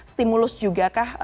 stimulus juga kah